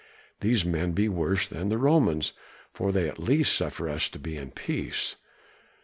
These men be worse than the Romans, for they at least suffer us to be in peace."